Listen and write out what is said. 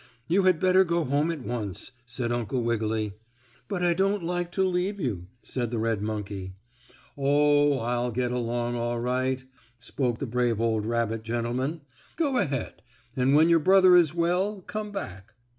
"You had better go home at once," said Uncle Wiggily. "But I don't like to leave you," said the red monkey. "Oh, I will get along all right!" spoke the brave old rabbit gentleman. "Go ahead, and when your brother is well, come back."